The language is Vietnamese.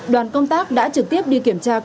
đoàn công tác đã trực tiếp đi kiểm tra công tác